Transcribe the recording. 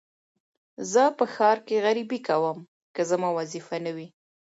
زه په ښار کې غريبي کوم که زما وظيفه نه وى.